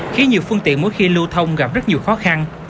khiến nhiều phương tiện mỗi khi lưu thông gặp rất nhiều khó khăn